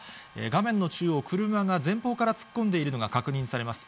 画面の中央、車が前方から突っ込んでいるのが確認されます。